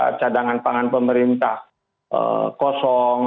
karena cadangan pangan pemerintah kosong